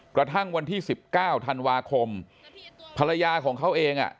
กระทั่งวันที่๑๙ธันวาคมภรรยาของเขาเอง